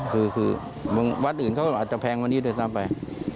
สื่อสือวัดอื่นอาจจะแพงว่านี้ด้วยตามไป